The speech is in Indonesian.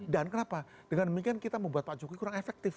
dan kenapa dengan demikian kita membuat pak jokowi kurang efektif